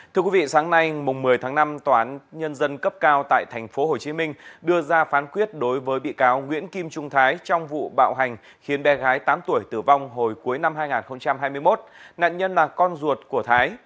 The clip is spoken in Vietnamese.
thưa quý vị sáng nay một mươi tháng năm tòa án nhân dân cấp cao tại tp hcm đưa ra phán quyết đối với bị cáo nguyễn kim trung thái trong vụ bạo hành khiến bé gái tám tuổi tử vong hồi cuối năm hai nghìn hai mươi một nạn nhân là con ruột của thái